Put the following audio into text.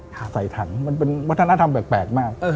ใส่ถังมันเป็นวัฒนธรรมแปลกมาก